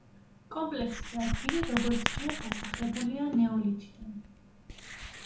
კომპლექსის ადგილი, როგორც ჩანს დასახლებულია ნეოლითიდან.